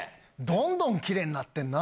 どんどんきれいになってんな。